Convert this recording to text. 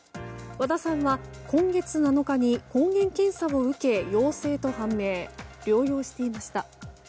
和田さんは今月７日に抗原検査を受け陽性と判明療養していました。